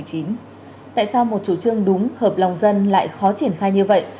tại sao một chủ trương đúng hợp lòng dân lại khó triển khai như vậy